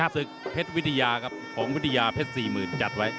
ศึกเพชรวิทยาครับของวิทยาเพชร๔๐๐๐จัดไว้